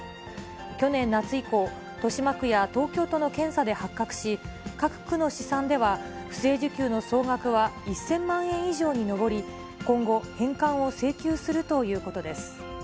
去年夏以降、豊島区や東京都の検査で発覚し、各区の試算では、不正受給の総額は１０００万円以上に上り、今後、返還を請求するということです。